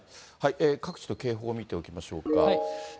各地の警報を見ておきましょうか。